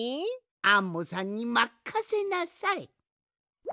アンモさんにまっかせなさい！